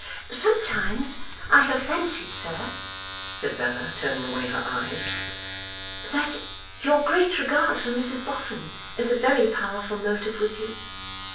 'Sometimes I have fancied, sir,' said Bella, turning away her eyes, 'that your great regard for Mrs Boffin is a very powerful motive with you.